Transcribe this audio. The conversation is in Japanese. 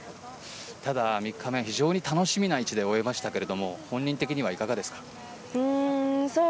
ただ３日目非常に楽しみな位置で終えましたけども本人的にはいかがですか？